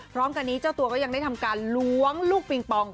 พร้อมกันนี้เจ้าตัวก็ยังได้ทำการล้วงลูกปิงปอง